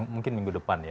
mungkin minggu depan